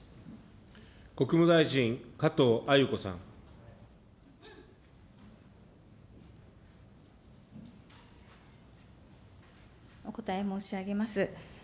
国務大臣、お答え申し上げます。